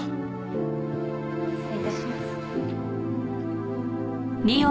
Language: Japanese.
失礼致します。